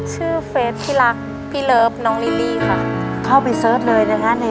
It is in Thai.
ชื่อเฟสพี่รักพี่ลับน้องค่ะเข้าไปโดยเค็ดเลยนะฮะใน